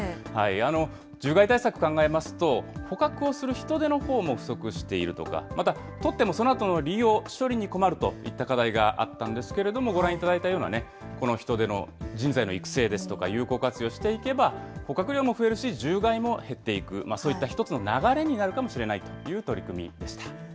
獣害対策を考えますと、捕獲をする人手のほうも不足しているとか、また、とってもそのあとの利用、処理に困るといった課題があったんですけれども、ご覧いただいたような人手の、人材の育成ですとか、有効活用していけば、捕獲量も増えるし、獣害も減っていく、そういった一つの流れになるかもしれないという取り組みでした。